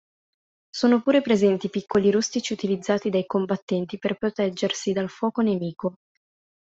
Sono pure presenti piccoli rustici utilizzati dai combattenti per proteggersi dal fuoco nemico.